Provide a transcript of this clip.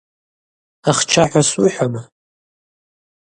Ахчахӏва суыхӏвама?